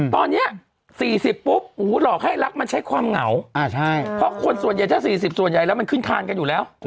ตอนนี้๔๐ปุ๊บหลอกให้รักมันใช้ความเหงาเพราะคนส่วนใหญ่ถ้า๔๐ส่วนใหญ่แล้วมันขึ้นคานกันอยู่แล้ว